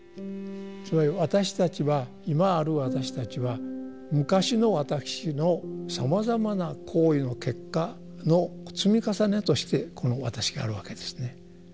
つまり私たちは今ある私たちは昔の私のさまざまな行為の結果の積み重ねとしてこの私があるわけですね。